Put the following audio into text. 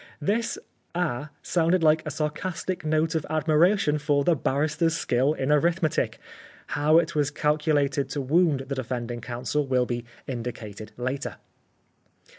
'" This " Ah !" sounded like a sarcastic note of admiration for the barrister's skill in arithmetic. How it was calculated to wound the defending counsel will be indicated later.